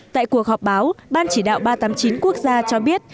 tại cuộc họp báo ban chỉ đạo ba trăm tám mươi chín quốc gia cho biết